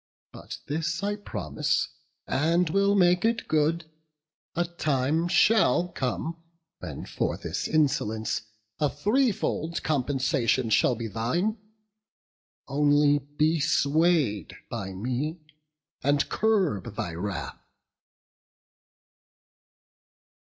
But this I promise, and will make it good, The time shall come, when for this insolence A threefold compensation shall be thine; Only be sway'd by me, and curb thy wrath."